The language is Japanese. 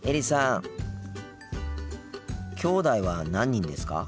きょうだいは何人ですか？